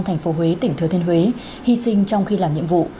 tp huế tỉnh thừa thiên huế hy sinh trong khi làm nhiệm vụ